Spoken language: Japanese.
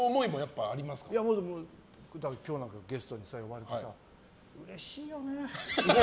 今日なんかゲストで呼ばれてさうれしいよね。